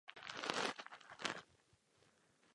Album bylo nahráno u Sony Music Latin.